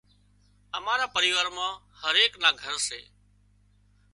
امارا پريوار مان هرايڪ نا گھر سي